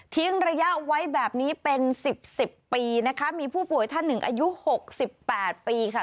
ทิ้งระยะไว้แบบนี้เป็น๑๐ปีนะคะมีผู้ป่วยท่านหนึ่งอายุ๖๘ปีค่ะ